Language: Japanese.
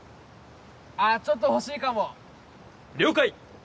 あっちょっと欲しいかも了解！